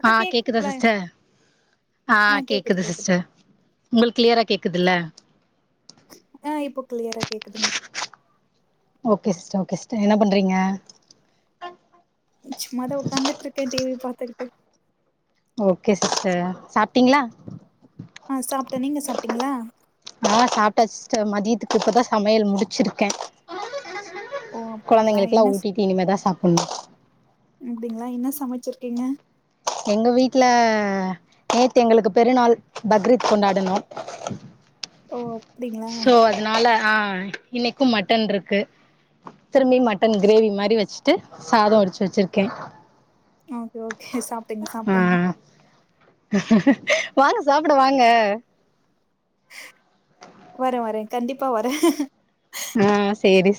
அக்கா ஆஹ் கேக்குதா கேக்குதுங்களா சிஸ்டர் ஆஹ் கேக்குது சிஸ்டர் உங்களுக்கு கிளியரா கேக் குதுல்ல ஆ இப்போ கிளியரா கேக்குதுங்க ஓகே சிஸ்தர் ஓகே சிஸ்டர் என்ன பண்றீங்க சும்மாதான் உட்காந்துட்டு இருக்கேன் டிவி பாத்துக்கிட்டு ஓகே சிஸ்டர் சாப்பிட்டீங்களா அ சாப்டேன் நீங்க சாப்பிட்டீங்களா நான் சாப்ட சிஸ்தர் மதியத்துக்கு இப்பதான் சமையல் முடிச்சிருக்கேன் ஓ அப்டிங்களா குழந்தைங்களுக்குல்லாம் என்ன ஊட்டிட்டு இனிமதான் சாப்படணும் அப்டிங்களா என்ன சமைச்சிருக்கீங்க எங்க வீட்டுல நேத்து எங்களுக்கு பெருநாள் பக்ரீத் கொண்டாடணும் ஓ அப்டிங்களா சோ அதனால ஆ இன்னைக்கும் மட்டன் இருக்கு திரும்பி மட்டன் கிரேவி மாரி வச்சுட்டு சாதம் வடிச்சு வச்சிருக்கேன் ஓகே ஓகே சாப்பிடுங்க சாப்பிடுங்க வாங்க சாப்பிட வாங்க வரேன் வரேன் கண்டிப்பா வரேன் ஆ சேரி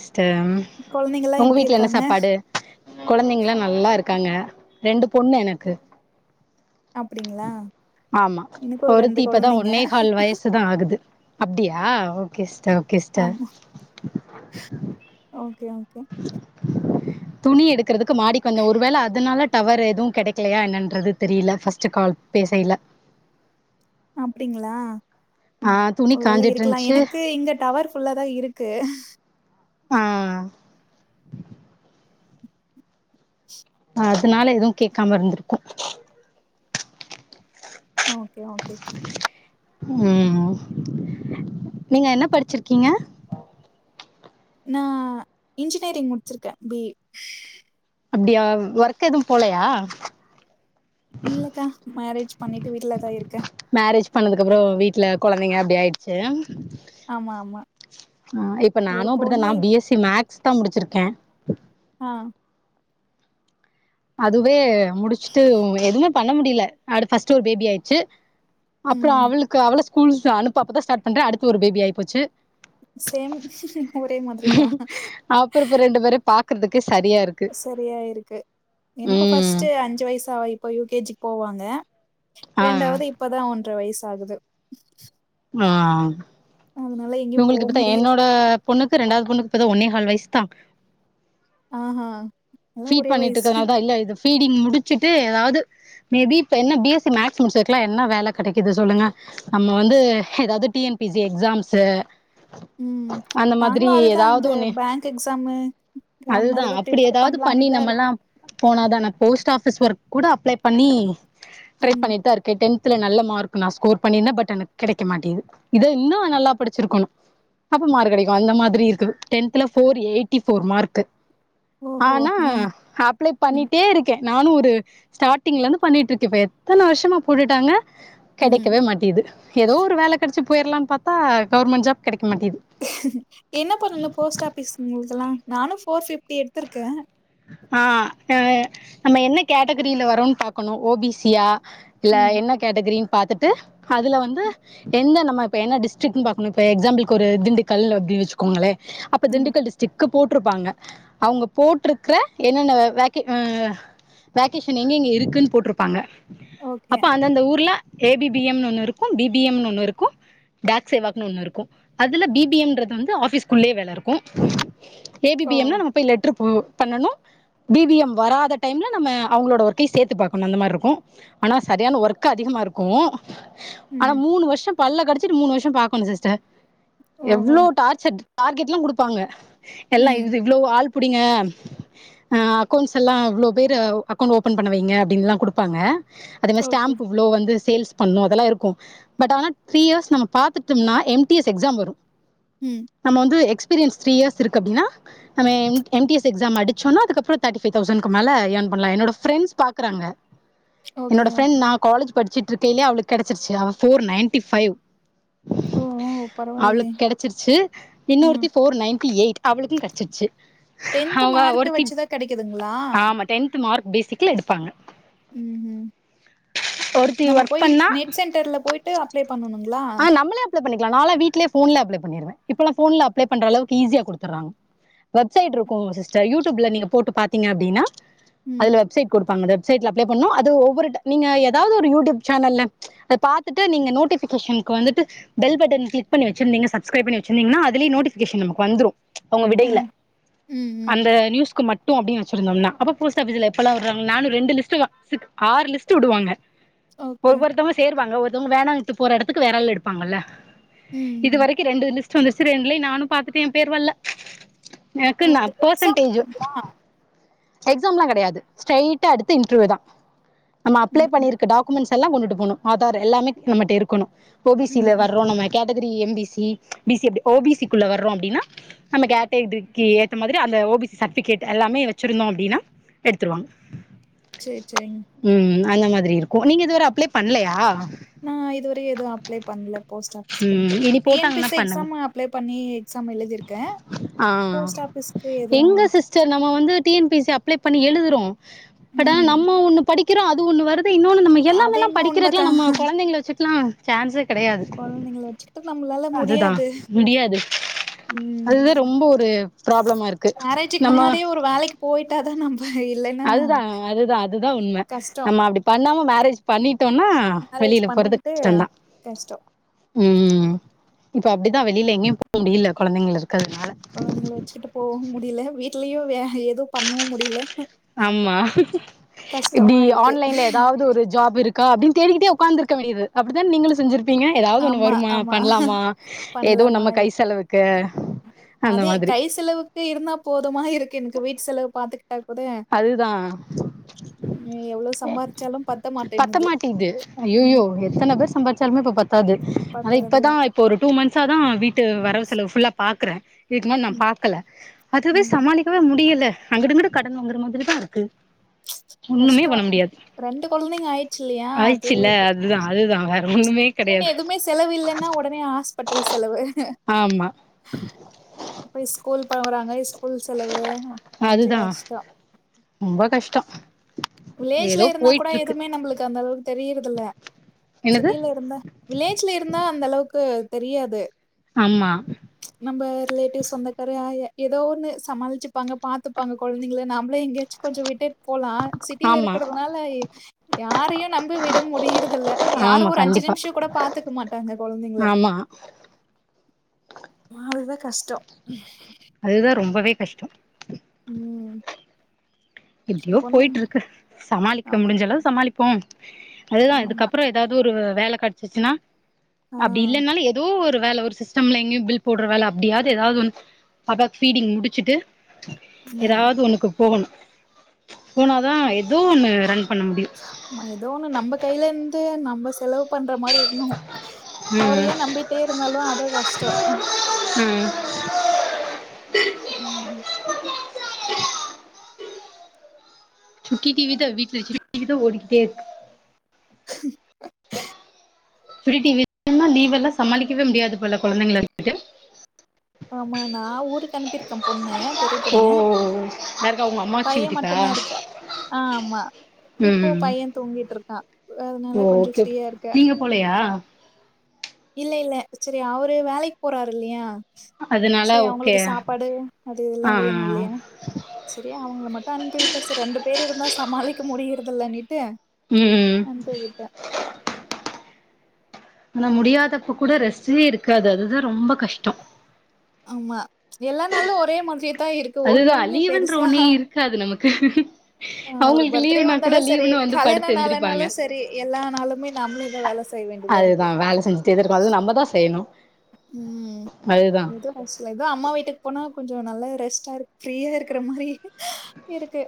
கொழந்தைங்கல்லா உங்க எப்டி வீட்டில என்ன இருக்காங்க சாப்பாடு கொழந்தைங்கலாம் நல்லா இருக்கு இருக்காங்க ரெண்டு பொண்ணு எனக்கு அப்டிங்களா ஆமா எனக்கு ஒரு ஒருத்தி ரெண்டு இப்பதான் கொழந்தைங்க ஒன்னே கால் வயசுதான் ஆகுது அப்டியா ஓகே சி ஆமா ஓகே [unintelligible] ஓகே துணி எடுக்கறதுக்கு மாடிக்கு வந்தன் ஒரு வேள அதனால டவர் எதுவும் கெடைக்கலையா என்னன்றது தெரியல ஃபஸ்ட்ட் கால் பேசயல அப்டீங்களா துணி ஒருவேளை காஞ்சிட்டு இருக்கலாம் இருந்துச்சு எனக்கு இங்க டவர் ஃபுல்லாதான் இருக்கு ஆ அதனால எதுவும் கேட்காம இருந்திருக்கும் ஓகே ஓகே உம் நீங்க என்ன படிச்சிருக்கீங்க நான் இன்ஜினியரிங் முடிச்சிருக்கேன் பி அப்டியா ஒர்க் எதுவும் போலையா இல்லக்கா மேரேஜ் பண்ணிட்டு வீட்டு்ல தான் இருக்கேன் மேரேஜ் பண்ணதுக்கு அப்புறம் வீட்டு்ல கொழந்தைங்க அப்டி ஆயிடுச்சு ஆமா ஆமா ஆ இப்ப ஒரு நானும் அப்டித்தான் பொண்ணு நான் பிஎஸ்சி மேக் தான் முடிச்சிருக்கேன் ஆ அதுவே முடிச்சிட்டு ஒ எது பண்ண முடியல அர்பஸ்ட்டு ஒரு பேபி ஆயிடுச்சு அப்புறம் ம் அவளுக்கு அவ்ளோ ஸ்கூல் அனுப்பதான் ஸ்டார்ட் பண்றன் அடுத்து ஒரு பேபி ஆகி போச்சு சேம் ஒரே மாதிரி தான் க்றதுக்கே சரியா இருக்கு எனக்கும் ம் ஃபர்ஸ்ட் அஞ்சு வயசு ஆ இப்போ யு கே ஜி போவாங்க ஆ ரெண்டாவது இப்பதான் ஒன் ர வயசு ஆகுது உஹம் அதனால எங்கயு போ உங்களுக்கு பத்தா முடியல என்னோட பொண்ணுக்கு ரெண்டாவது பொண்ணுக்குப்பதான் ஒன்னே கால் வயசு தான் ஆஹ்ஹ் ஃபீட் பண்ணிட்டுக்கனால தான் இல்ல இது ஃபீடிங் முடிச்சுட்டு ஏதாவது மேபி இப்ப என்ன பி எஸ் சி மேக்ஸ் முடிச்சதுக்கலாம் என்ன வேலை கிடைக்குது சொல்லுங்க நம்ம வந்து ஏதாவது T N P C exams உம் அந்த மாதிரி நாங்களும் அதுதான் ஏதாவது இந்த ஒண்ணு பேங்க் எக்ஸாமு அதுமாரி அதுதான் தான் அப்படி பிரப்பர் ஏதாவது பண்ணலானு பண்ணி நம்மல்லாம் போன தான போஸ்ட் ஆபிஸ் ஒர்க் கூட அப்ளை பண்ணி ட்ரை ம் பண்ணிட்டு தான் இருகேன் டென்த் ல நல்ல மார்க் நான் ஸ்கோர் பண்ணிருந்தேன் பட் எனக்கு கிடைக்க மாட்டேது இத இன்னும் நல்லா படிச்சிருக்கணும் அப்ப மார்க் கிடைக்கும் அந்த மாதிரி இருக்குது டேன்த்ல ஃபோர் எய்ட்டி ஃபோர் மார்க்கு ஓஹோ ஆனால் ம் அப்ளை ம் பண்ணிட்டே இருக்கேன் நானும் ஒரு ஸ்டார்டிங்ல இருந்து பண்ணிட்டு இருக்கேன் இப்ப எத்தனை வருஷமா போட்டுட்டாங்க ம் கிடைக்கவே மாட்டேது ஏதோ ஒரு வேலை கிடைச்சி போயிறுலானு பாத்தா கவர்மெண்ட ஜாப் கிடைக் என்ன பண்ணணும் போஸ்ட் ஆபிஸ் உங்களுக்கெல்லாம் நானும் ஃபோர் ஃபிப்டி எடுத்திருக்கேன் ஆஹ் ஆஹ நம்ம என்ன கேட்டகரியில வரோன்னனு பாக்கணும் ஓ பி சி யா இல்ல ம் என்ன கேட்டகரி பார்த்துட்டு அதுல வந்து எந்த நம்ம இப்ப என்ன டிஸ்ட்ரிக் பாக்கணும் இப்ப எக்ஸாம்பிளுக்கு ஒரு திண்டுக்கல் அப்டி வச்சுக்கோங்களே அப்ப ம் திண்டுக்கல் டிஸ்டிக் கு போட்டிருப்பாங்க அவங்க போட்டிரு இருக்கற என்னென்ன வகே வகேஷன் எங்க எங்க இருக்குன்னு போட்டிருப்பாங்க ஓகே அப்ப அந்த அந்த ஊர்ல ஏ பி பி எம்ன்னு ஒண்ணு இருக்கு பி பி எம்ன்னு ஒண்ணு இருக்கு டேக் சேவாக்ன்னு ஒண்ணு இருக்கு அதுல பி பி எம்ன்றது வந்து ஆபிஸ்க்குள்ளே வேல இருக்கு ஏ பி பி எம்னா நம்ம போய் லட்ரு போ பண்ணனு பி ப எம் வராத டைம்ல நம்ம அவுங்களோட ஒர்க்கையு சேத்து பாக்கணு அந்த மார் ருக்கு ஆனா சரியான ஒர்க் அதிகமா இருக்கு ஆனா மூணு வர்ஷம் பல்ல கடிச்சிட்டு மூணு வர்ஷம் பா்க்கணு சிஸ்டர் எவ்ளோ டார்ச்சர் டார்கெட்லா குடுப்பாங்க எல்லா இது இவ்ளோ ஆள் புடிங்க ஆ அக்கௌண்ட்ஸ் எல்லா இவ்ளோ பேரு அக்கௌண்ட் ஓப்பன் பண்ண வைங்க அப்டின்லா குடுப்பாங்க அதே மாரி ஓகே ஸ்டாம்ப்பு இவ்ளோ வந்து சேல்ஸ் பண்ணு அதெல்லா இருக்கு பட் ஆனா த்ரீ இயர்ஸ் நம்ம பாத்துட்டம்னா எம் டி எஸ் எக்ஸாம் வரு ம் நம்ம வந்து எக்ஸ் பீரியன்ஸ் த்ரீ இயர்ஸ் இருக்கு அப்டின்னா நம்ம M M T S exam அடிச்சோன்னா அதுக்கப்றோ தேட்டிை ஃபை தௌசண்க்கு மேல யேன் பண்லா என்னோட ஃப்ரெண்ட்ஸ் பாக்குறாங்க ஓகே என்னோட ஃப்ரெண் ஓகே நா காலேஜ் படிச்சுட் ட்ருக்கைய்லே அவளுக் கெடச்சிருச்சு அவ ஃபோர் நயன்ட்டி ஃபைவ் ஓ ஓ பரவாயில்லை அவளுக் கெடச்சிருச்சு ம் இன்னொருத்தி ஃபோர் நயன்டி எய்ட் அவளுக்கு கெடச்சிருச்சு டென்த்து அவ மார்க்க ஒருத்தி வச்சுதா கெடைக்குதுங்ளா ஆமா டென்த் மார்க் பேசிக்ல எடுப்பாங்க ம் ம் ஒருத்தி நம்ம ஒர்க் போய் பண்ணா நெட் சென்ட்டர்ல போய்ட்டு அப்ளை பண்ணணுங் ஆ நம்மளே அப்ளே பண்ணிக் க்லா நால்லா வீட்லே ஃபோன்ல அப்ளே பண்ணிருவ இப்போல்லா ஃபோன்ல அப்ளே பண்றளவுக்கு ஈஸியா குடுத்தர்றாங்க வெப் சைட் இருக்குங்க சிஸ்ட்டர் யூட்யூப்ல நீங்க போட்டு பாத்தீங்க அப்டின்னா ம் அதுல வெப்சைட் குடுப்பாங்க அத சைட்ல அப்ளே பண்ணு அது ஒவ்வொரு ட நீங்க ஏதாவ்து ஒரு யூட்யூப் சேனல்ல அத பாத்துட்டு நீங்க நோட்டிஃபிகேஷன் க்கு வந்துட்டு பெல் பட்டன் க்ளிக் பண்ணி வச்சிருந்திங்க சப்ஸ்க்ரைப் பண்ணி வெச்சிருந்திங்கன்னா அதுலயே நோட்டிஃபிகேஷன் நமக்கு வந்துரு அவ்ங்க ஓ விடைல ம் ம் அந்த ந்யூஸ்க்கு மட் டு அப்டீன் வச்சிருந்தோம்னா அப்ப போஸ்டாஃபிஸ்ல எப்பல்லா விட்றாங்க நானு ரெண்டு லிஸ்ட்டு சி ஆறு லிஸ்ட்டு உடுவங்க ஓகே ஒவ்வொருத்தொங்க சேருவாங்க ஒர் தௌங்க வேணாங்ட்டு போற எடத் துக்கு வேறாள் எடுப்பாங்கல்ல ம் இது ம் வரைக்கு ரெண்டு லிஸ் சு சிரியன்லே நானு பாத்துட்டு ஏ பேர் வல்ல ஓ எனக்குன்னா அதுக்கு எக்ஸாம் பேசன்டேஜு இருக்குங்களா எக்ஸாம்லா கடையாது ஸ்ரைட்டா எடுத்து இன்டர்வியூ தா நம்ம அப்ளே ம்ஹும் பண்ணிருக்கு டாக்குமண்ஸ் எல்லா கொண்டுட்டு போணு ஆதார் எல்லாமே நம்மட்ட இருக் குணு ஓ பி சி ல ம்ஹும் வரோ நம்ம category M B C B C அப்டி ஓ பி சி க்குள்ள வர்றோ அப்டின்னா நம்ம கேட்டகிரிக்கு ஏத்த மாதிரி அந்த ஓ பி சி சட்டிஃபிகேட் எல்லாமே வச்சிருந்தோ அப்டின்னா எடுத்ருவாங் சேர் சேரிங் அந்த மாதிரி இருக்கு நீங்க இதுவர அப்ளே பண்லையா டு எதுவு அப்ளே பண்ல போஸ்ட் ஆபிஸ் ம் இனி [unintelligible] டி என் பி போட்டாங்கன்னா சி பண்ணுங்க எக்ஸாமு அப்ளே பண்ணி எக்ஸாம் எழுதிருக் ஆ எதுவு எங்க சிஸ்டர் நம்ம வந்து T N P S C apply பண்ணி எழுதுறோ பட் ஆனா ம் நம்ம ஒண்ணு படிக் க்கிறோ அது ஒன்னு வரு து இன்னொன்னு நம்ம அது எல்லாமேலா என்னமோ படிக்கிறதுல உண்மதா நம்ம கொழந்தைகள வச்சுட் லா சான்ஸே கெடையாது கொழந்தைங்கள வச்சுக்குட்டு நம்மளால அதுதா முடியாது ம் து ரொம்ப ஒரு பராப்ளமா இருக்கு நம்ம த நம்பு அதுதா அதுதா அதுதா உண்ம கஷ்டோ நம்ம அப்டி பண்ணாம மேரேஜ் பண்ணிட் டோனா மேரேஜ் வெளில போறது பண்ணிக்கிட்டு கஷ்ட்டோந்தா கஷ்டோ ம் இப்போ அப்டிதா வெளில எங்யு போ முடில கொழந்தைங்ளருக் அவுங்ள வச்சிட்டு போவு முடிய்ல வீட் ட்லியு வேல எது ஆமா இப்டி கஷ்டமா இருக்கு ஆன்லைன்ல ஏதாவ்து ஒரு ஜாப் இருக் அப்டின் தேடிக்கிட்டே உக்காந்துருக்க வேண்டியது அப்டிதா நீங்களு செஞ்சிரு பீங்க ஏதாவ்து ஒன்னு ஆமா வருமா ஆமா பண்ணலாமா எதோ பண்லாமா நம்ம கை செலவுக்கு அந்த அதே மாதிரி கை செலவுக்கு இருந்தா போதுமா இருக்கு எனக்கு வீட்ட செலவு பாத் அதுதா ம் எவ்ளோ சம்பாரிச்சாலு பத்த மாட்டேன்னுது பத்தமாட்டிது ஐயுயோ ம் எத்தன பேர் சம்பார்ச் யாருமே இப்ப பத் அது அத பாத்துக்கறதுல இப்பதா ஒரு டூ மந்த்ஸ் ச்சாதா விட் டு வரவு செலவு ஃபுல்லா பாக்குறே இது மாரி நா பாக்கல அதுவே ம் சமாளிக்கவே முடியல அங்குட்டு இங்குட்டு கட் கடன் வாங்குற மாதிரி தா இருக்கு ஒண்ணுமே கஷ்டோ பண்ண முடியாது ரெண்டு கொழந்தைங்க ஆயிடுச்சி இல்லையா அது ஆயிடுச்சுல்ல அதுதா அதுதா வேற ஒண்ணுமே இல்லனா கெடையாது எதுவுமே செலவு இல்லன்னா உடனே ஹாஸ்பிட்டல் செலவு ஆமா இப்ப ஸ்கூல் போவறாங்க ஸ் ஸ்கூல் செலவு கொஞ்சோ கஷ்டோ டோ வில்லேஜ்ல இருந்தா கூட எதுவுமே நம்மளுக்கு அந்த அளவுக்கு தெரியறதில்ல என்னது சிட்டியில இருந்தா வில்லேஜ்ல இருந்தா அந்த அளவுக்கு தெரியாது ஆமா நம்ம ரிலேட்டிவ்ஸ் சொந்தக்கார ஏதோன்னு சமாளிச்சுப்பாங்க பாத்துப்பாங்க கொழந்தைங்கள நாமளே எங்கயாச்சும் கொஞ்சோ விட்டே போகலாம் பீல்ல ஆமா இருக்கறதுனால யாரையு நம்பி விட முடியறது இல்ல யாரு ஆமா ஒரு அஞ்சு கண்டிப்பா நிமிஷம் கூட பாத்துக்க மாட்டாங்க கொழந்தைங்கள ஆமா கஷ்டோ அதுதா ரொம்பவே கஷ்டோம் உம் எப்டியோ போயிட்டு இருக்கு சமாளிக்க ஆமா முடிஞ்சளவு சமாளிக் போ அதுதா இதுக்கப்புறோ ஏதாவது ஒரு வேல கெடச்சிச்சுனா ஆ அப்டி இல்லன்னாலு ஏதோ ஒரு வேல ஒரு சிஸ்டம்ல எங்கயு பில் போடுற வேல அப்டியாவது ஏதாவது ஒன் பாப்பாக்கு ஃபிடிங் முடிச்சுட்டு ம் ஏதாவது ஒன்னுக்கு போகணு போனாதா ஏதோ ஒன்னு ரன் பண்ண முடியு ஏதோ ஒண்ணு நம்ம கையில இருந்து நம்ம ரொம்ப செலவு பண்ற மாரி இருக்குனோ ம் அவரயே நம்பிட்டு இருந்தாலு அதோ கஷ்டோ ம் உம் சுட்டி டி வி தா வீட்டுல சுட்டி டி வி தா ஓடிக்கிட்டே இருக்கு [inaudible] லீவ் எல்லா சமாளிக்கவே முடியாது போல கொழந்தைங்கல [inaudible] ஆமா நா ஊருக்கு அனுப்பிருக்கே பொண்ணு பெரிய ஓ பொண்ணு யாருக்கா உங்க அம்மாச்சி பையன் வீட்டுக்கா மட்டு தா இருக்கா ஆஹ் ஆமா இப்போ ம் பைய தூங்கிட்டு இருக்கா ஓ அதனால கொஞ்சோ ஓகே ஃப்ரீயா இருக்கே நீங்க போலையா இல்ல இல்ல சரியா அவரு வேலைக்கு போறாரு இல்லையா அதனால சரி ஓகே அவங்களுக்கு சாப்பாடு அது இதெல்லா ஆ வேணு இல்லையா சரி அவங்கள மட்டு அனுப்பி விட்டே சரி ரெண்டு பேர் இருந்தா சமாளிக்க முடி [unintelligible] எண்ணிட்டு உம் ஆனா முடியாதப்ப கூட ரெஸ்லியே இருக்காது அதுதா ரொம்ப கஷ்டோ ஆமா எல்லா நாளு ஒரே மாத்ரி அதுதா லீவுன்ற ஒன்னே இருக்காது நமக் கு ஆஹ் ஒரு பர்த்டே வந்தாலு சரி கல்யாண படுத்து எந்திரிப்பாங்க நாளனாலு சரி எல்லா நாளுமே நாம்ளே தா வேல செய்ய வேண்டியதா இருக்கு அதுதான் வேலை செஞ்சுட்டே தான் இருக்கும் அது நம்ம தான் செய்யணும் உம் அதுதான் எதோ ஒரு சில இதா அம்மா வீட்டுக்கு போனா கொஞ் ச நல்லா ரெஸ்ட்டா இருக் ஃப்ரீயா இருக்கிற மாரி இருக்கு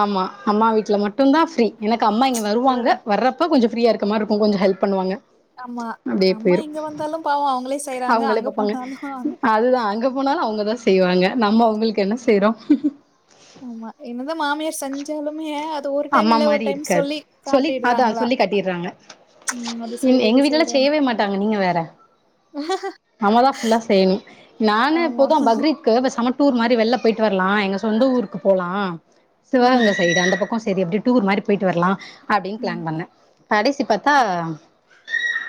ஆமா அம்மா வீட்டு்ல மட்டு தா ஃப்ரீ எனக்கு அம்மா இங்க ஒரு வருவாங்க வர்றப்ப கொஞ்ச ஃப்ரீயா இருக்க மாரி இருக்கு கொஞ்ச ஹெல்ப் பண்ணுவாங்க ஆமா அப்டியே அம்மா போயிரு இங்க வந்தாலும் பாவம் அவங்களே செய்யறாங்க அவங்களே அங்க பாப்பாங்க போனாலு தா செய்வாங்க நம்ம அவங்களுக்கு என்ன செய்றோ ஆமா என்ன தா மாமியார் செஞ்சாலுமே ஒரு டைம் அம்மா இல்ல ஒரு மாரி டைம் இருக்காது சொல்லி சொல்லி அதா காட்டிடுறாங்களா சொல்லி காட்டிறாங்க ம் அது செய்றே எங்க இது வீட்லல்லா செய்றேன்னு செய்யவே மாட்டாங்க நீங்க வேற நாமதா ஃபுல்லா செய்யணு நானு ஆமா இப்பதா பக்ரீத்க்கு சம டூர் மாரி வெள்ல போயிட்டு வரலா எங்க சொந்த ஊருக்கு போலா ம் சிவகங்க சைடு அந்த பக் சரி அப்டி டூர் மாரி போய்ட்டு வர்லா அப்படின் ம் பிளான் பண்ணே கடைசி பாத்தா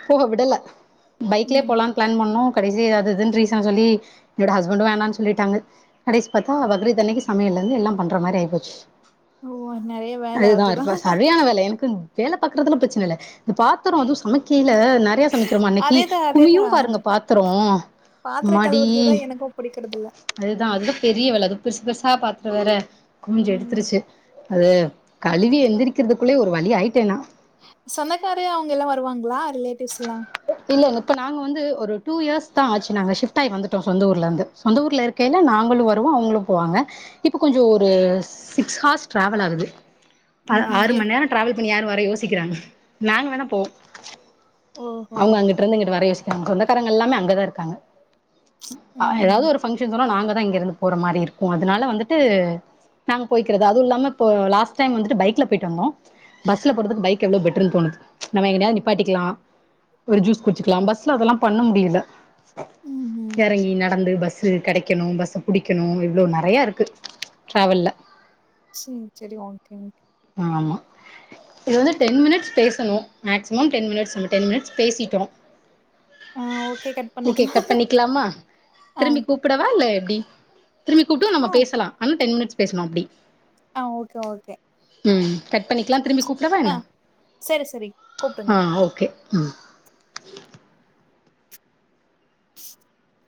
போக விடல பைக்லயே ம் போலானு பிளான் பண்ணோ கடைசி அது இதுன்னு ரீசன் சொல்லி என்னோட ஹஸ்பண்டும் வேணான் சொல்லிட்டாங்க கடைசி பாத்தா பக்ரித்தன்னைக்கு சமையலருந்து எல்லா பண்ற மாரி ஆய் போச்சு ஓ நெறைய வேல அதுதா இப்ப சரியான வேல எனக்கு வேல பாக்கறதுல பிரச்சன இல்ல இந்த பாத்தரோ அது சமைக்கி ல நெறைய சமைக்கிறமா அன்னக்கி அதேதா குமியு அதேதா அந்த பாருங்க பாத்தரோ பாத்திர அம்மாடி கழுவுறதுதா எனக்கு புடிக்கறது இல்ல அதுதா அதுதா பெரிய வேல அது பெர்ஷ் பெர்சா பாத்தர வேற குமிஞ்சு ம் எடுத்துருச்சு அது கழுவி எந்திரிக்கிறதுக்குள்ளே ஒரு வழி ஆயிட்டே நா சொந்தக்கார அவங்கலாம் வருவாங்களா ரிலேட்டிவ்ஸ்லா இல்லல இப்போ நாங்க வந்து ஒரு டூ இயர்ஸ் தா ஆச்சு நாங்க ஷிப்ட் ஆகி வந்துட்டோம் சொந்த ஊர்ல இருந்து சொந்த ஊர்ல இருக்கேல நாங்களும் வருவோம் அவங்களும் போவாங்க இப்போ கொஞ்சம் ஒரு சிக்ஸ் ஹார்ஸ் டிராவல் ஆகுது ப ம்ஹும் ஆறு எ மணி நேரம் ட்ராவல் பண்ணி வர யாரு யோசிபாங் சிக்றாங்க நாங்க வேணா போவோம் ஓஹோ அவங்க அங்கிட்டு இருந்து இங்கட்டு வர யோசி சொந்தக்காரங்க எல்லாமே அங்கதா இருக்காங்க ஆ ம்ஹும் ஏதாவது ஒரு பங்க்ஷன்ஸ் வரும் நாங்க தா இங்க இருந்து போற மாரி இருக்கு அதனால வந்துட்டு நாங்க போய்க்கிறது அது இல்லாம இப்ப லாஸ்ட் டைம் வந்துட்டு பைக்ல போயிட்டு வந்தோம் பஸ்ல போடுறதுக்கு பைக் எவ்ளவோ பெட்ரூனு தோணுது நம்ம எங்கயாது நிப்பாட்டிக்கலாம் ஒரு ஜூஸ் குச்சுக்கலா பஸ்ல அதெல்லாம் பண்ண முடியல ம்ஹும் எறங்கி நடந்து பஸ் சு கெடைக்கணும் பஸ்ஸ புடிக்கணும் இவ்ளோ நெறைய இருக்கு டிராவல்ல சேரி சேரி ஓகே ஓகே ஆமா இது வந்து டென் மினிட்ஸ் பேசணு மேக்சிமம் டென் மினிட்ஸ் நம்ப டென் மினிட்ஸ் பேசிட்டோம் ஆ ஓகே கட் ஓகே பண்ணிக்கலா கட் பண்ணிக்கலாமா ஆ திரும்பி கூப்பிடவா இல்ல எப்டி திரும்பி கூப்டா நம்ம ஆ பேசலாம் ஆனா டென் மினிட்ஸ் பேசணும் அப்டி ஆ ஓகே ஓகே ம்ம் கட் பண்ணிக்கலாம் திரும்பி கூப்டவா ஆ என்ன செரி செரி கூப்டுங்க ஆ ஓகே ம் [inaudible]